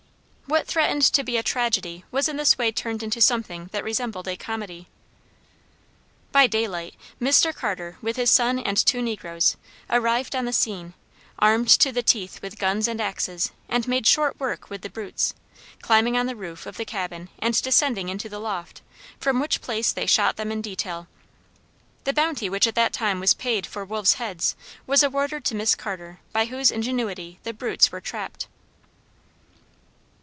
What threatened to be a tragedy was in this way turned into something that resembled a comedy. By daylight Mr. Carter, with his son and two negroes, arrived on the scene, armed to the teeth with guns and axes, and made short work with the brutes, climbing on the roof of the cabin and descending into the loft from which place they shot them in detail. The bounty which at that time was paid for wolves' heads was awarded to Miss Carter by whose ingenuity the brutes were trapped.